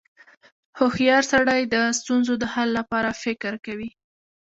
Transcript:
• هوښیار سړی د ستونزو د حل لپاره فکر کوي.